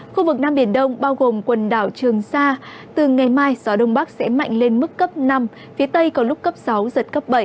khu vực nam biển đông bao gồm quần đảo trường sa từ ngày mai gió đông bắc sẽ mạnh lên mức cấp năm phía tây có lúc cấp sáu giật cấp bảy